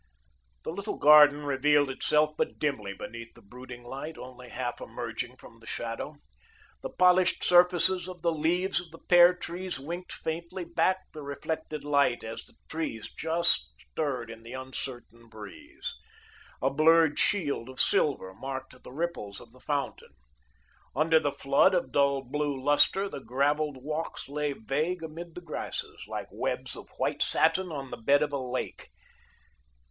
The little garden revealed itself but dimly beneath the brooding light, only half emerging from the shadow. The polished surfaces of the leaves of the pear trees winked faintly back the reflected light as the trees just stirred in the uncertain breeze. A blurred shield of silver marked the ripples of the fountain. Under the flood of dull blue lustre, the gravelled walks lay vague amid the grasses, like webs of white satin on the bed of a lake.